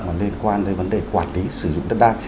mà liên quan tới vấn đề quản lý sử dụng đất đai